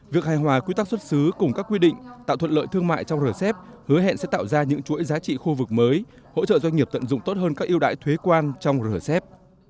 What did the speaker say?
việc hài hòa quy tắc xuất xứ cùng các quy định tạo thuận lợi thương mại trong rcep hứa hẹn sẽ tạo ra những chuỗi giá trị khu vực mới hỗ trợ doanh nghiệp tận dụng tốt hơn các yêu đại thuế quan trong rcep